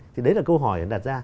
thì đấy là câu hỏi đặt ra